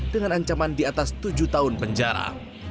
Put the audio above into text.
dengan ancaman di atas tujuh tahun penjara